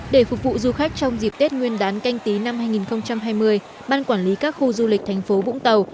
để phục vụ du khách trong dịp tết nguyên đán canh tí năm hai nghìn hai mươi ban quản lý các khu du lịch thành phố vũng tàu